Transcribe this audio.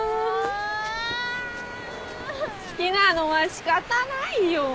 好きなのは仕方ないよ。